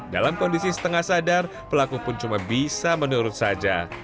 dalam kondisi setengah sadar pelaku pun cuma bisa menurut saja